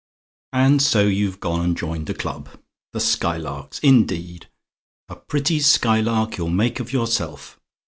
"And so you've gone and joined a club? The Skylarks, indeed! A pretty skylark you'll make of yourself!